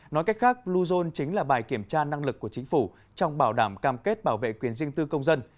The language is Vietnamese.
nói cách khác bluezone chính là bài kiểm tra năng lực của chính phủ trong bảo đảm cam kết bảo vệ quyền riêng tư công dân